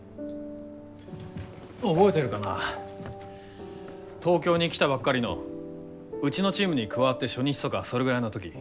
覚えてるかな東京に来たばっかりのうちのチームに加わって初日とかそれぐらいの時。